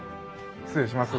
失礼します。